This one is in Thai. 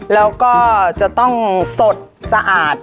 แล้วก็จะต้องสดสะอาด